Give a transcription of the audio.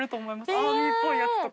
アーミーっぽいやつとか。